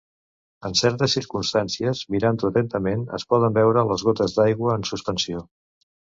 En certes circumstàncies, mirant-ho atentament, es poden veure les gotes d'aigua en suspensió.